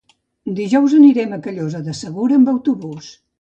Dijous anirem a Callosa de Segura amb autobús.